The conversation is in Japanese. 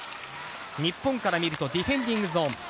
日本から見るとディフェンディングゾーン。